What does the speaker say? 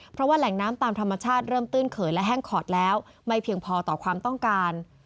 เพราะว่าแหล่งน้ำตามธรรมชาติเริ่มตื้นเขยและแห้งขอดแล้วไม่เพียงพอต่อความต้องการ